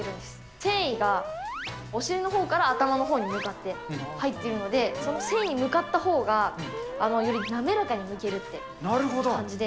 繊維がお尻のほうから頭のほうに向かって入っているので、その繊維に向かったほうが、より滑らかにむけるっていう感じで。